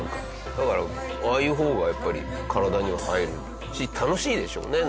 だからああいう方がやっぱり体には入るし楽しいでしょうね